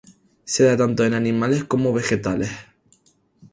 Se da tanto en animales como vegetales.